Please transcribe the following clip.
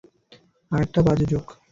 আরেকটা বাজে জোক।